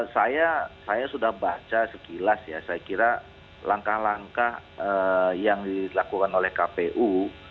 saya sudah baca sekilas ya saya kira langkah langkah yang dilakukan oleh kpu